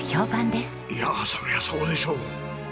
いやあそりゃそうでしょう。